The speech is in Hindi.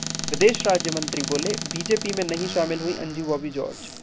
विदेश राज्य मंत्री बोले- बीजेपी में नहीं शामिल हुईं अंजू बॉबी जॉर्ज